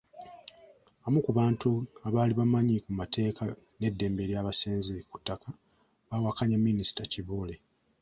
Abamu ku bantu abaali bamanyi ku mateeka n’eddembe ly’abasenze ku ttaka bawakanya Minisita Kibuule.